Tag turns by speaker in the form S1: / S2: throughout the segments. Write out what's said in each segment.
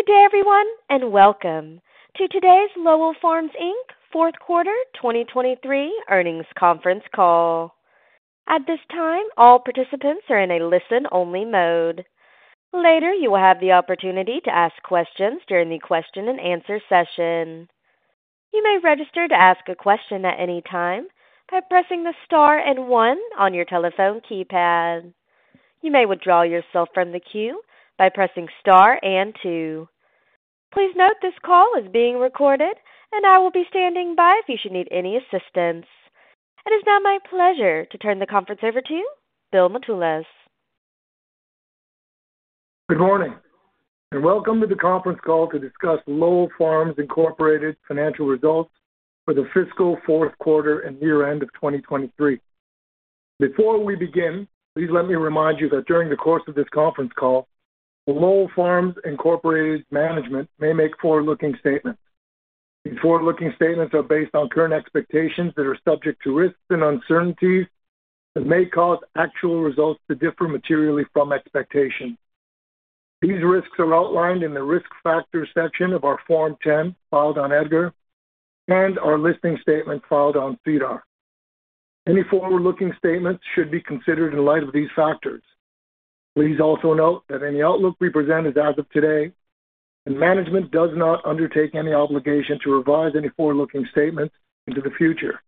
S1: Good day, everyone, and welcome to today's Lowell Farms Inc. Q4 2023 earnings conference call. At this time, all participants are in a listen-only mode. Later, you will have the opportunity to ask questions during the question and answer session. You may register to ask a question at any time by pressing the star and one on your telephone keypad. You may withdraw yourself from the queue by pressing star and two. Please note, this call is being recorded, and I will be standing by if you should need any assistance. It is now my pleasure to turn the conference over to you, Bill Mitoulas.
S2: Good morning, and welcome to the conference call to discuss Lowell Farms Incorporated financial results for the fiscal Q4 and year-end of 2023. Before we begin, please let me remind you that during the course of this conference call, the Lowell Farms Incorporated management may make forward-looking statements. These forward-looking statements are based on current expectations that are subject to risks and uncertainties that may cause actual results to differ materially from expectations. These risks are outlined in the Risk Factors section of our Form 10, filed on Edgar, and our listing statement filed on CDR. Any forward-looking statements should be considered in light of these factors. Please also note that any outlook we present is as of today, and management does not undertake any obligation to revise any forward-looking statements into the future.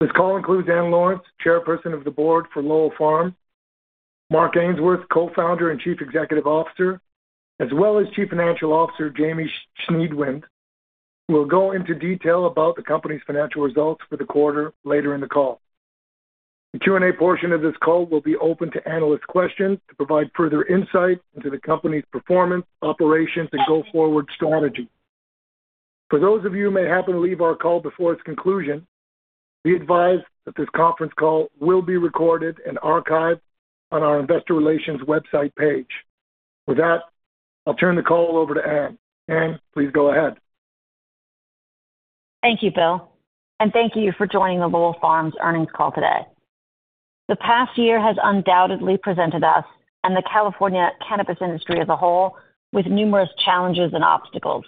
S2: This call includes Ann Lawrence, Chairperson of the Board for Lowell Farms, Mark Ainsworth, Co-Founder and Chief Executive Officer, as well as Chief Financial Officer, Jamie Schniedwind, who will go into detail about the company's financial results for the quarter later in the call. The Q&A portion of this call will be open to analyst questions to provide further insight into the company's performance, operations, and go-forward strategy. For those of you who may happen to leave our call before its conclusion, be advised that this conference call will be recorded and archived on our investor relations website page. With that, I'll turn the call over to Ann. Ann, please go ahead.
S3: Thank you, Bill, and thank you for joining the Lowell Farms earnings call today. The past year has undoubtedly presented us and the California cannabis industry as a whole with numerous challenges and obstacles,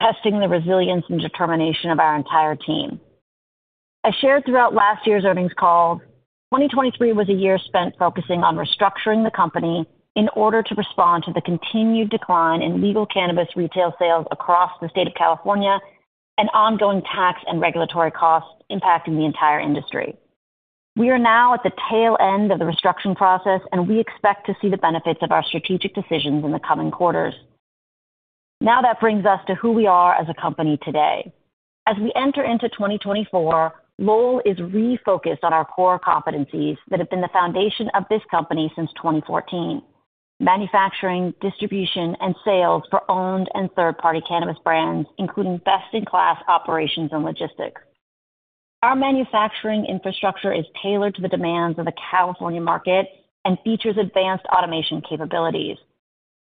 S3: testing the resilience and determination of our entire team. As shared throughout last year's earnings call, 2023 was a year spent focusing on restructuring the company in order to respond to the continued decline in legal cannabis retail sales across the state of California and ongoing tax and regulatory costs impacting the entire industry. We are now at the tail end of the restructuring process, and we expect to see the benefits of our strategic decisions in the coming quarters. Now, that brings us to who we are as a company today. As we enter into 2024, Lowell is refocused on our core competencies that have been the foundation of this company since 2014: manufacturing, distribution, and sales for owned and third-party cannabis brands, including best-in-class operations and logistics. Our manufacturing infrastructure is tailored to the demands of the California market and features advanced automation capabilities.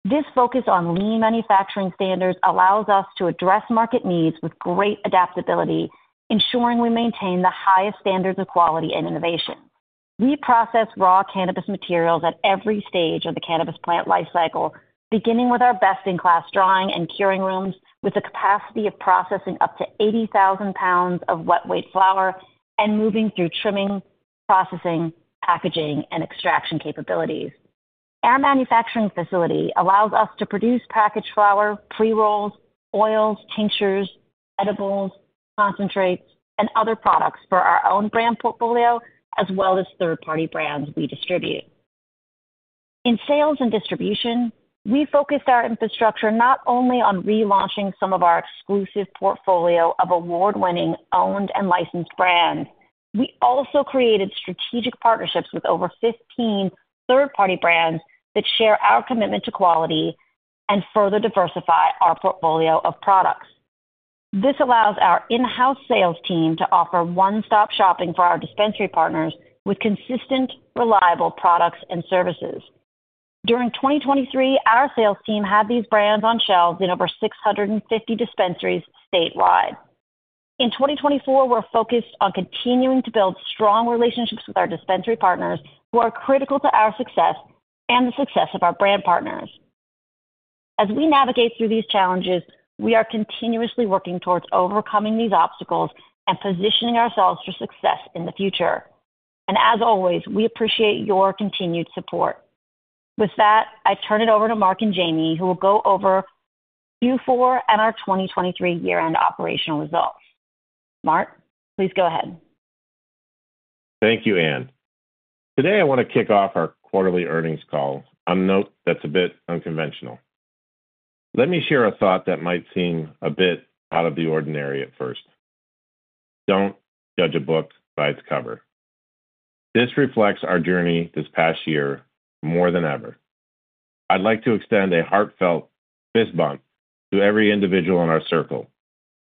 S3: This focus on lean manufacturing standards allows us to address market needs with great adaptability, ensuring we maintain the highest standards of quality and innovation. We process raw cannabis materials at every stage of the cannabis plant life cycle, beginning with our best-in-class drying and curing rooms, with a capacity of processing up to 80,000 pounds of wet weight flower and moving through trimming, processing, packaging, and extraction capabilities. Our manufacturing facility allows us to produce packaged flower, pre-rolls, oils, tinctures, edibles, concentrates, and other products for our own brand portfolio, as well as third-party brands we distribute. In sales and distribution, we focused our infrastructure not only on relaunching some of our exclusive portfolio of award-winning, owned, and licensed brands, we also created strategic partnerships with over 15 third-party brands that share our commitment to quality and further diversify our portfolio of products. This allows our in-house sales team to offer one-stop shopping for our dispensary partners with consistent, reliable products and services. During 2023, our sales team had these brands on shelves in over 650 dispensaries statewide. In 2024, we're focused on continuing to build strong relationships with our dispensary partners, who are critical to our success and the success of our brand partners. As we navigate through these challenges, we are continuously working towards overcoming these obstacles and positioning ourselves for success in the future. As always, we appreciate your continued support. With that, I turn it over to Mark and Jamie, who will go over Q4 and our 2023 year-end operational results. Mark, please go ahead.
S4: Thank you, Ann. Today, I want to kick off our quarterly earnings call on a note that's a bit unconventional. Let me share a thought that might seem a bit out of the ordinary at first. Don't judge a book by its cover. This reflects our journey this past year more than ever. I'd like to extend a heartfelt fist bump to every individual in our circle.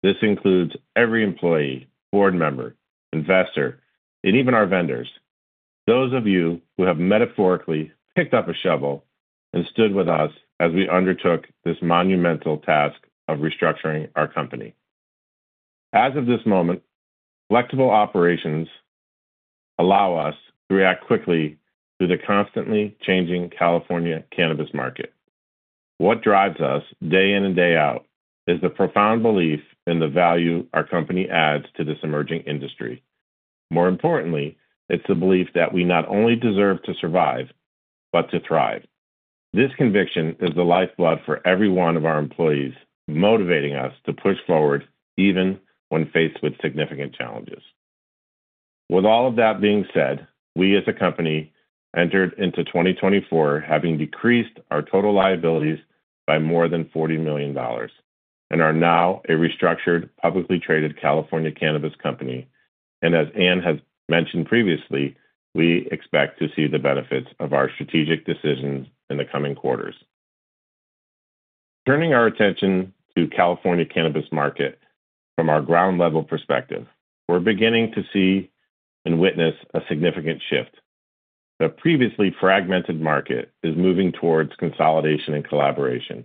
S4: This includes every employee, board member, investor, and even our vendors, those of you who have metaphorically picked up a shovel and stood with us as we undertook this monumental task of restructuring our company. As of this moment, agile operations allow us to react quickly to the constantly changing California cannabis market. What drives us day in and day out is the profound belief in the value our company adds to this emerging industry. More importantly, it's the belief that we not only deserve to survive, but to thrive. This conviction is the lifeblood for every one of our employees, motivating us to push forward even when faced with significant challenges. With all of that being said, we as a company, entered into 2024, having decreased our total liabilities by more than $40 million, and are now a restructured, publicly traded California cannabis company. As Ann has mentioned previously, we expect to see the benefits of our strategic decisions in the coming quarters. Turning our attention to California cannabis market from our ground level perspective, we're beginning to see and witness a significant shift. The previously fragmented market is moving towards consolidation and collaboration,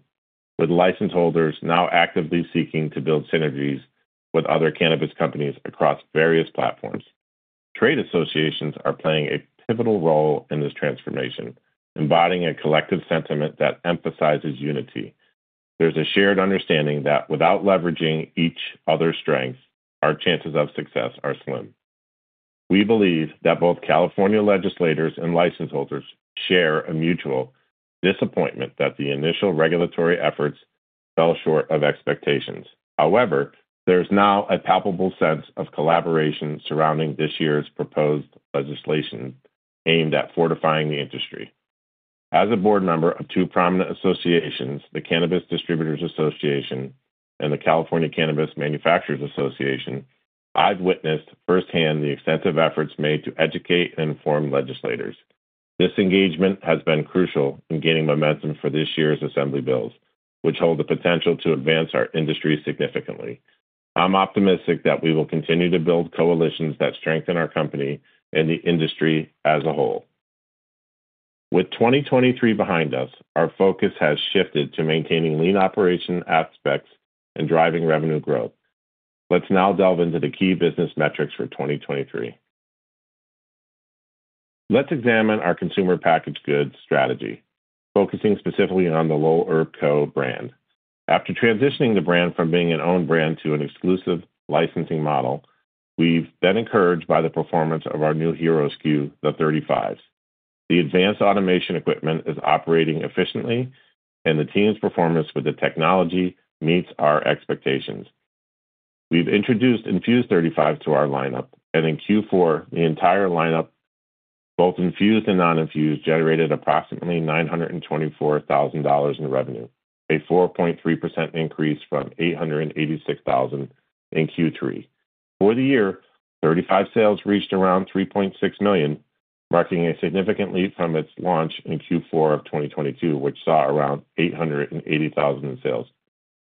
S4: with license holders now actively seeking to build synergies with other cannabis companies across various platforms. Trade associations are playing a pivotal role in this transformation, embodying a collective sentiment that emphasizes unity. There's a shared understanding that without leveraging each other's strengths, our chances of success are slim. We believe that both California legislators and license holders share a mutual disappointment that the initial regulatory efforts fell short of expectations. However, there is now a palpable sense of collaboration surrounding this year's proposed legislation aimed at fortifying the industry. As a board member of two prominent associations, the Cannabis Distribution Association and the California Cannabis Manufacturers Association, I've witnessed firsthand the extensive efforts made to educate and inform legislators. This engagement has been crucial in gaining momentum for this year's assembly bills, which hold the potential to advance our industry significantly. I'm optimistic that we will continue to build coalitions that strengthen our company and the industry as a whole. With 2023 behind us, our focus has shifted to maintaining lean operation aspects and driving revenue growth. Let's now delve into the key business metrics for 2023. Let's examine our consumer packaged goods strategy, focusing specifically on the Lowell Herb Co. brand. After transitioning the brand from being an own brand to an exclusive licensing model, we've been encouraged by the performance of our new hero SKU, the 35s. The advanced automation equipment is operating efficiently, and the team's performance with the technology meets our expectations. We've introduced Infused 35s to our lineup, and in Q4, the entire lineup, both infused and non-infused, generated approximately $924,000 in revenue, a 4.3% increase from $886,000 in Q3. For the year, 35 sales reached around $3.6 million, marking a significant leap from its launch in Q4 of 2022, which saw around $880,000 in sales,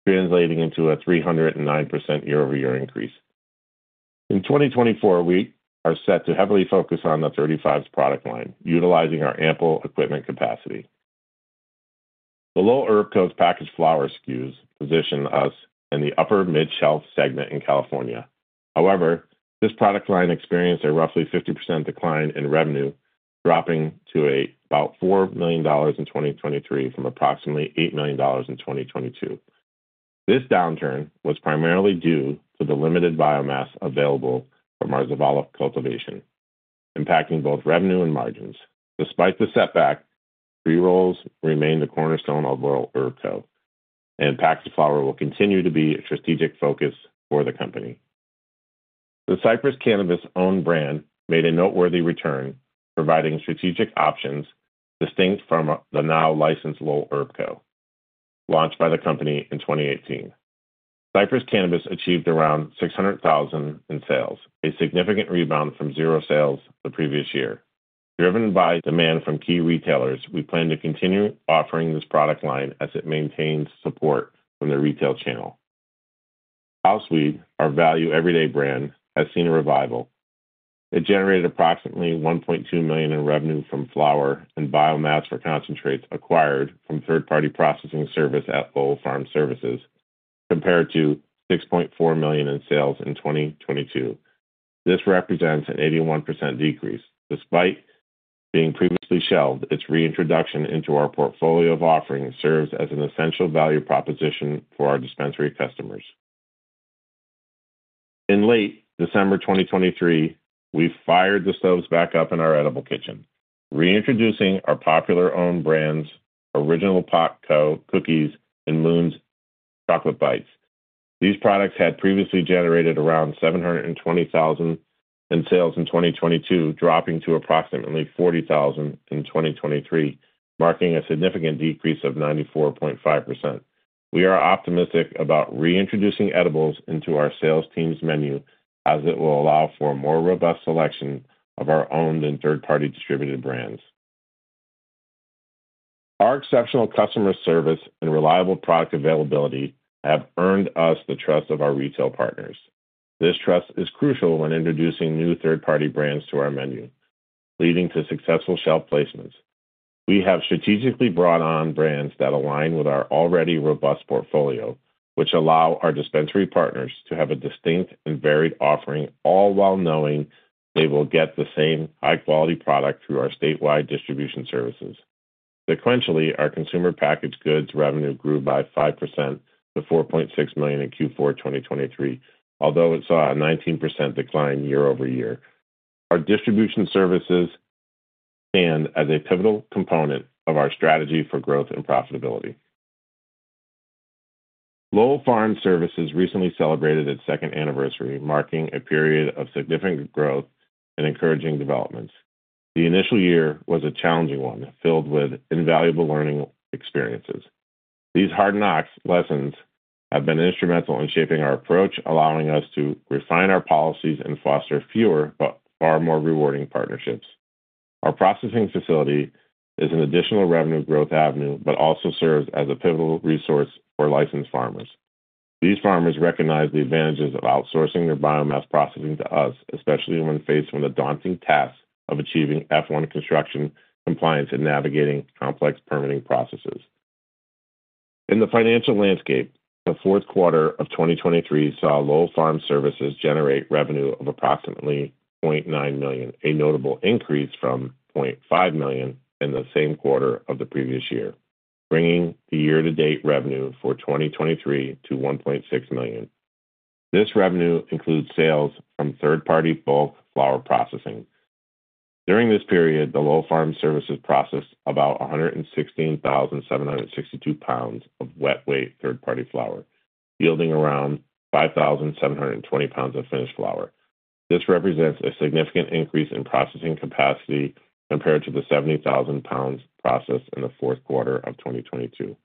S4: translating into a 309% year-over-year increase. In 2024, we are set to heavily focus on the 35s product line, utilizing our ample equipment capacity. The Lowell Herb Co.'s packaged flower SKUs position us in the upper mid-shelf segment in California. However, this product line experienced a roughly 50% decline in revenue, dropping to about $4 million in 2023 from approximately $8 million in 2022. This downturn was primarily due to the limited biomass available from our Zavala cultivation, impacting both revenue and margins. Despite the setback, pre-rolls remain the cornerstone of Lowell Herb Co., and packaged flower will continue to be a strategic focus for the company. The Cypress Cannabis owned brand made a noteworthy return, providing strategic options distinct from the now licensed Lowell Herb Co., launched by the company in 2018. Cypress Cannabis achieved around $600,000 in sales, a significant rebound from zero sales the previous year. Driven by demand from key retailers, we plan to continue offering this product line as it maintains support from the retail channel. House Weed, our value everyday brand, has seen a revival. It generated approximately $1.2 million in revenue from flower and biomass for concentrates acquired from third-party processing service at Lowell Farm Services, compared to $6.4 million in sales in 2022. This represents an 81% decrease. Despite being previously shelved, its reintroduction into our portfolio of offerings serves as an essential value proposition for our dispensary customers. In late December 2023, we fired the stoves back up in our edible kitchen, reintroducing our popular own brands, Original Pot Co. Cookies and Moon's Chocolate Bites. These products had previously generated around $720,000 in sales in 2022, dropping to approximately $40,000 in 2023, marking a significant decrease of 94.5%. We are optimistic about reintroducing edibles into our sales team's menu as it will allow for a more robust selection of our own and third-party distributed brands. Our exceptional customer service and reliable product availability have earned us the trust of our retail partners. This trust is crucial when introducing new third-party brands to our menu, leading to successful shelf placements. We have strategically brought on brands that align with our already robust portfolio, which allow our dispensary partners to have a distinct and varied offering, all while knowing they will get the same high-quality product through our statewide distribution services. Sequentially, our consumer packaged goods revenue grew by 5% to $4.6 million in Q4 2023, although it saw a 19% decline year-over-year. Our distribution services stand as a pivotal component of our strategy for growth and profitability. Lowell Farm Services recently celebrated its second anniversary, marking a period of significant growth and encouraging developments. The initial year was a challenging one, filled with invaluable learning experiences. These hard knocks lessons have been instrumental in shaping our approach, allowing us to refine our policies and foster fewer but far more rewarding partnerships. Our processing facility is an additional revenue growth avenue, but also serves as a pivotal resource for licensed farmers. These farmers recognize the advantages of outsourcing their biomass processing to us, especially when faced with the daunting task of achieving F1 construction compliance and navigating complex permitting processes. In the financial landscape, theQ4 of 2023 saw Lowell Farm Services generate revenue of approximately $0.9 million, a notable increase from $0.5 million in the same quarter of the previous year, bringing the year-to-date revenue for 2023 to $1.6 million. This revenue includes sales from third-party bulk flower processing. During this period, the Lowell Farm Services processed about 116,762 pounds of wet weight third-party flower, yielding around 5,720 pounds of finished flower. This represents a significant increase in processing capacity compared to the 70,000 pounds processed in theQ4 of 2022.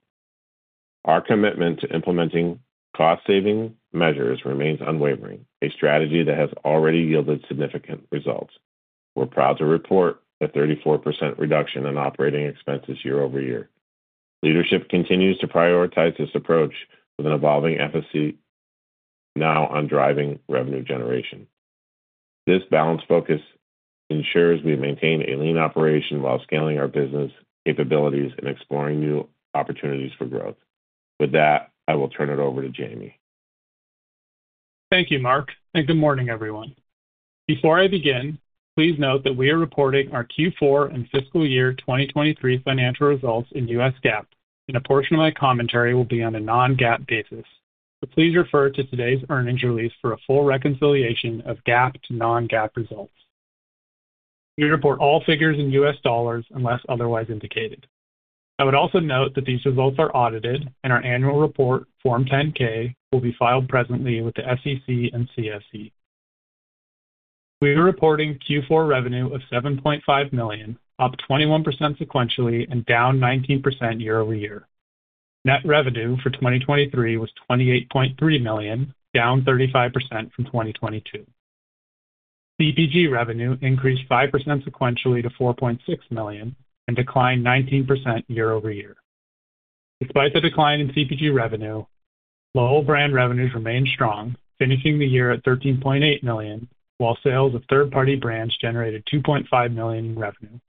S4: Our commitment to implementing cost-saving measures remains unwavering, a strategy that has already yielded significant results. We're proud to report a 34% reduction in operating expenses year-over-year. Leadership continues to prioritize this approach with an evolving emphasis now on driving revenue generation. This balanced focus ensures we maintain a lean operation while scaling our business capabilities and exploring new opportunities for growth. With that, I will turn it over to Jamie.
S5: Thank you, Mark, and good morning, everyone. Before I begin, please note that we are reporting our Q4 and fiscal year 2023 financial results in U.S. GAAP, and a portion of my commentary will be on a non-GAAP basis. So please refer to today's earnings release for a full reconciliation of GAAP to non-GAAP results. We report all figures in U.S. dollars unless otherwise indicated. I would also note that these results are audited, and our annual report, Form 10-K, will be filed presently with the SEC and CFC. We are reporting Q4 revenue of $7.5 million, up 21% sequentially and down 19% year-over-year. Net revenue for 2023 was $28.3 million, down 35% from 2022. CPG revenue increased 5% sequentially to $4.6 million and declined 19% year-over-year. Despite the decline in CPG revenue, Lowell brand revenues remained strong, finishing the year at $13.8 million, while sales of third-party brands generated $2.5 million in revenue.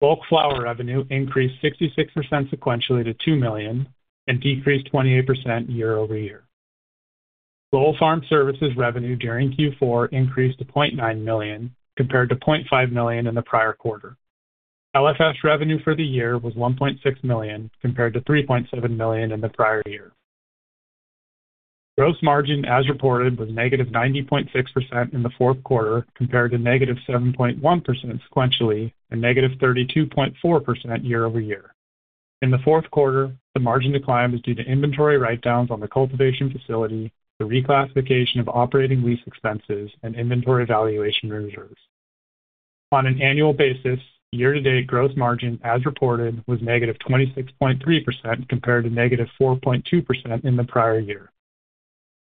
S5: Bulk flower revenue increased 66% sequentially to $2 million and decreased 28% year-over-year. Lowell Farm Services revenue during Q4 increased to $0.9 million, compared to $0.5 million in the prior quarter. LFS revenue for the year was $1.6 million, compared to $3.7 million in the prior year. Gross margin, as reported, was -90.6% in the Q4, compared to -7.1% sequentially and -32.4% year-over-year. In the Q4, the margin decline was due to inventory write-downs on the cultivation facility, the reclassification of operating lease expenses, and inventory valuation reserves. On an annual basis, year-to-date gross margin, as reported, was negative 26.3%, compared to negative 4.2% in the prior year.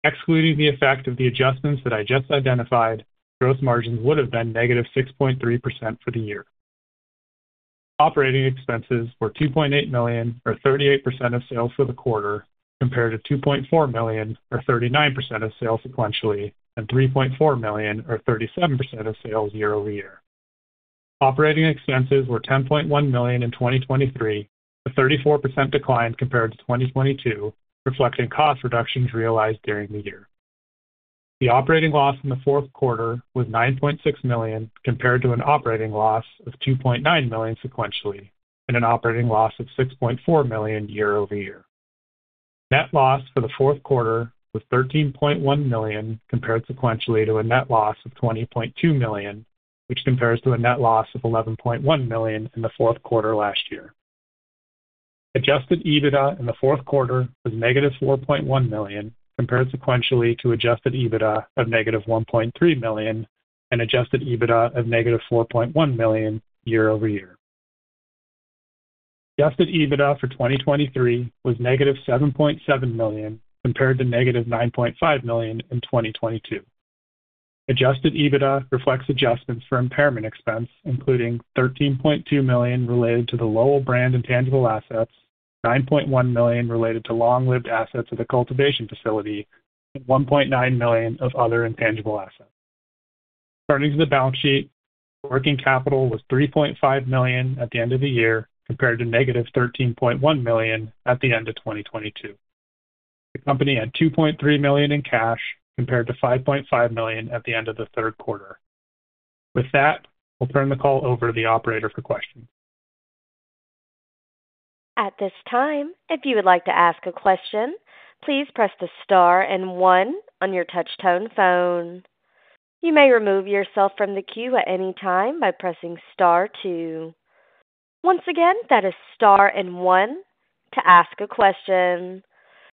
S5: Excluding the effect of the adjustments that I just identified, gross margins would have been negative 6.3% for the year. Operating expenses were $2.8 million, or 38% of sales for the quarter, compared to $2.4 million or 39% of sales sequentially, and $3.4 million or 37% of sales year-over-year. Operating expenses were $10.1 million in 2023, a 34% decline compared to 2022, reflecting cost reductions realized during the year. The operating loss in the Q4 was $9.6 million, compared to an operating loss of $2.9 million sequentially, and an operating loss of $6.4 million year-over-year. Net loss for the Q4 was $13.1 million, compared sequentially to a net loss of $20.2 million, which compares to a net loss of $11.1 million in the Q4 last year. Adjusted EBITDA in theQ4 was -$4.1 million, compared sequentially to adjusted EBITDA of -$1.3 million and adjusted EBITDA of -$4.1 million year over year. Adjusted EBITDA for 2023 was -$7.7 million, compared to -$9.5 million in 2022. Adjusted EBITDA reflects adjustments for impairment expense, including $13.2 million related to the Lowell brand intangible assets, $9.1 million related to long-lived assets of the cultivation facility, and $1.9 million of other intangible assets. Turning to the balance sheet, working capital was $3.5 million at the end of the year, compared to -$13.1 million at the end of 2022. The company had $2.3 million in cash, compared to $5.5 million at the end of the Q3. With that, we'll turn the call over to the operator for questions.
S1: At this time, if you would like to ask a question, please press the star and one on your touch-tone phone. You may remove yourself from the queue at any time by pressing star two. Once again, that is star and one to ask a question.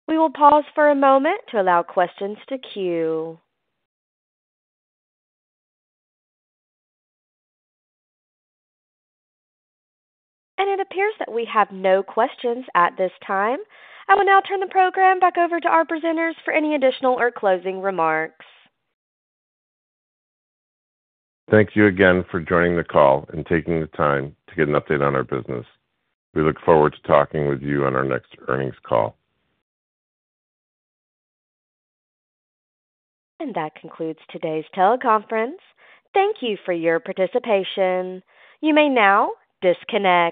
S1: We will pause for a moment to allow questions to queue. It appears that we have no questions at this time. I will now turn the program back over to our presenters for any additional or closing remarks.
S4: Thank you again for joining the call and taking the time to get an update on our business. We look forward to talking with you on our next earnings call. That concludes today's teleconference.
S1: Thank you for your participation. You may now disconnect.